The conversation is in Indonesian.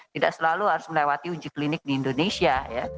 tidak selalu harus melewati uji klinik di indonesia